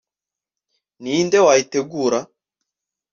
ni nde wayitegura